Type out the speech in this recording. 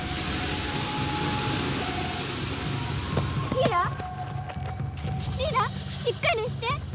リラ⁉リラしっかりして！